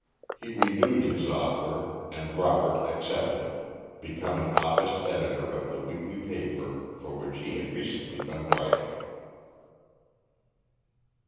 He renewed his offer, and Robert accepted it, becoming office editor of the weekly paper for which he had recently been writing.